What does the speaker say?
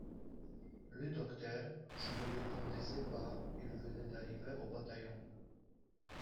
Le docteur, je ne le connaissais pas, il venait d'arriver au bataillon...